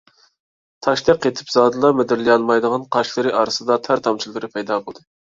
تاشتەك قېتىپ زادىلا مىدىرلىمايدىغان قاشلىرى ئارىسىدا تەر تامچىلىرى پەيدا بولدى.